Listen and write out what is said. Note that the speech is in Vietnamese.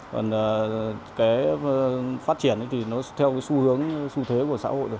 còn cái phát triển thì nó theo cái xu hướng xu thế của xã hội được